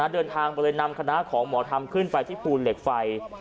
เดินทางไปเลยนำคณะของหมอธรรมขึ้นไปที่ภูเหล็กไฟ